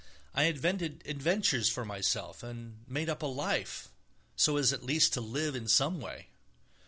I invented adventures for myself and made up a life, so as at least to live in some way.